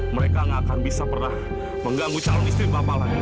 mereka nggak akan bisa pernah mengganggu calon istri bapak lagi